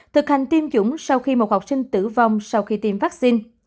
thực hành tiêm chủng sau khi một học sinh tử vong sau khi tiêm vaccine